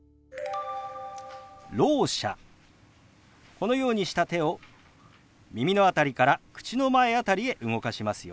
このようにした手を耳の辺りから口の前辺りへ動かしますよ。